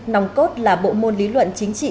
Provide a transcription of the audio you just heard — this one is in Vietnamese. nòng cốt là bộ môn lý luận chính trị